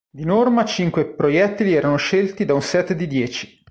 Di norma cinque proiettili erano scelti da un set di dieci.